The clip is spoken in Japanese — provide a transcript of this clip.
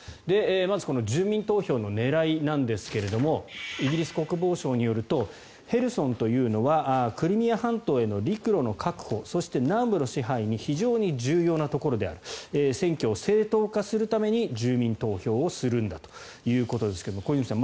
まず、住民投票の狙いなんですがイギリス国防省によるとヘルソンというのはクリミア半島への陸路の確保そして、南部の支配に非常に重要なところである占拠を正当化するために住民投票をするんだということですが小泉さん